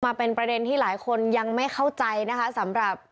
ประเด็นที่หลายคนยังไม่เข้าใจนะคะสำหรับ